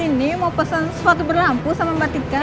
ini mau pesen sepatu berlampu sama mbak tika